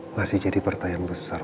masih jadi pertanyaan besar